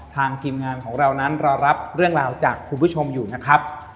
ทีมงานของเรานั้นเรารับเรื่องราวจากคุณผู้ชมอยู่นะครับ